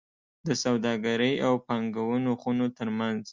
د سوداګرۍ او پانګونو خونو ترمنځ